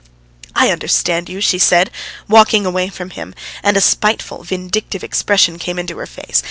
"I understand you," she said, walking away from him, and a spiteful, vindictive expression came into her face.